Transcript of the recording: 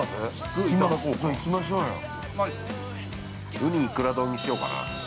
◆ウニ・イクラ丼にしようかな。